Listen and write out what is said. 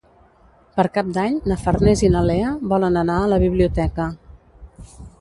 Per Cap d'Any na Farners i na Lea volen anar a la biblioteca.